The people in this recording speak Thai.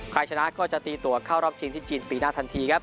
ใครชนะก็จะตีตัวเข้ารอบชิงที่จีนปีหน้าทันทีครับ